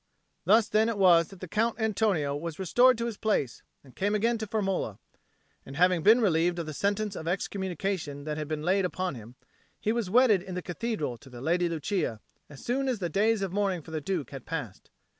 Thus then it was that the Count Antonio was restored to his place, and came again to Firmola; and, having been relieved of the sentence of excommunication that had been laid upon him, he was wedded in the Cathedral to the Lady Lucia as soon as the days of mourning for the Duke had passed.